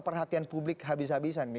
perhatian publik habis habisan nih